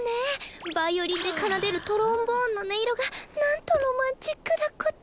バイオリンで奏でるトロンボーンの音色がなんとロマンチックだこと。